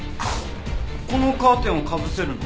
このカーテンをかぶせるの？